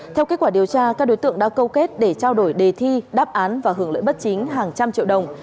theo kết quả điều tra các đối tượng đã câu kết để trao đổi đề thi đáp án và hưởng lợi bất chính hàng trăm triệu đồng